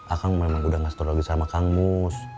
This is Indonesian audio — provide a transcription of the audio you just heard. akang memang udah gak setor lagi sama kang mus